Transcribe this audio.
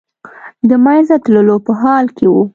د منځه تللو په حال کې و.